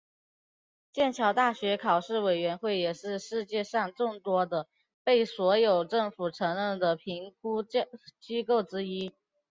剑桥大学考试委员会也是世界上众多的被所有政府承认的评估机构之一。